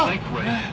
えっ？